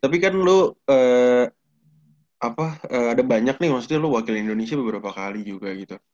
tapi kan lo ada banyak nih maksudnya lo wakil indonesia beberapa kali juga gitu